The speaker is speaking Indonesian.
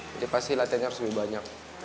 jadi pasti latihannya harus lebih banyak